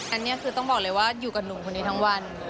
อันนี้คือต้องบอกเลยว่าอยู่กับหนุ่มคนนี้ทั้งวัน